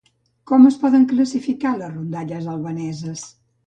Com es poden classificar les rondalles albaneses?